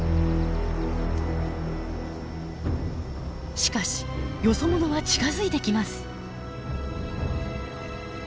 しかしよそ者は近づいてきます。